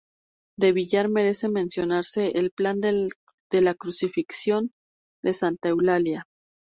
De Villar merece mencionarse el panel de la Crucifixión de Santa Eulalia.